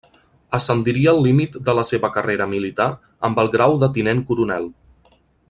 Ascendiria al límit de la seva carrera militar amb el grau de tinent coronel.